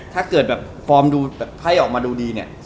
ถ้าเกิดแบบฟอร์มดูแบบไพ่ออกออกมาดูดีเนี่ย